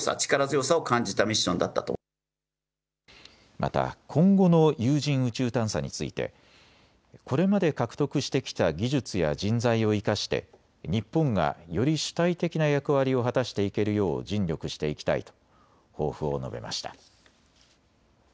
また今後の有人宇宙探査についてこれまで獲得してきた技術や人材を生かして日本がより主体的な役割を果たしていけるよう尽力していきたいと抱負を述べました。